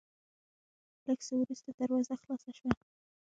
لېږ څه ورورسته دروازه خلاصه شوه،